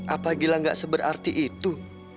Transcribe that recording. apa gila gak seberarti itu